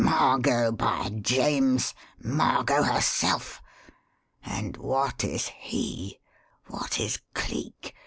"Margot, by James! Margot, herself! And what is he what is Cleek?